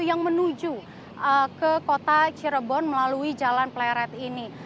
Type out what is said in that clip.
yang menuju ke kota cirebon melalui jalan pleret ini